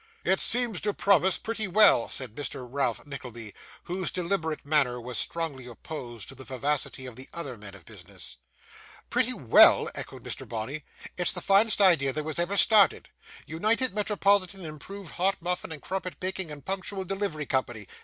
'It seems to promise pretty well,' said Mr. Ralph Nickleby, whose deliberate manner was strongly opposed to the vivacity of the other man of business. 'Pretty well!' echoed Mr. Bonney. 'It's the finest idea that was ever started. "United Metropolitan Improved Hot Muffin and Crumpet Baking and Punctual Delivery Company.